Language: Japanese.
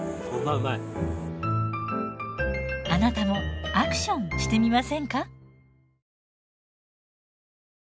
あなたもアクションしてみませんか？